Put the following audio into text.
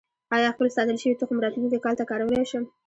آیا خپل ساتل شوی تخم راتلونکي کال ته کارولی شم؟